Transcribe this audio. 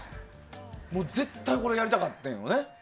絶対これやりたかったんだよね。